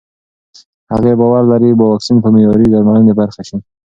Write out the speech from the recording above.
هغې باور لري واکسین به د معیاري درملنې برخه شي.